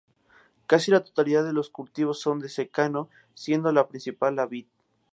Casi la totalidad de los cultivos son de secano, siendo el principal la vid.